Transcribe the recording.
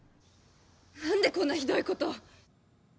何でこんなひどいこと！